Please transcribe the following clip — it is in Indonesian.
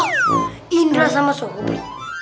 hah indra sama sobri